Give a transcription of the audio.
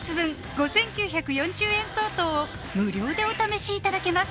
５９４０円相当を無料でお試しいただけます